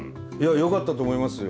よかったと思いますよ。